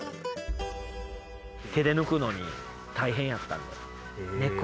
手で抜くのに大変やったんで。